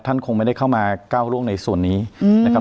คงไม่ได้เข้ามาก้าวร่วงในส่วนนี้นะครับ